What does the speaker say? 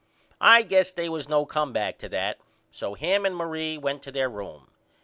I guess they was no comeback to that so him and Marie went to there room.